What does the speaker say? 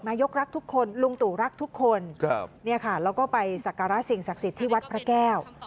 นายกรักทุกคนลุงตู่รักทุกคนแล้วก็ไปสักการะสิ่งศักดิ์สิทธิ์ที่วัดพระแก้ว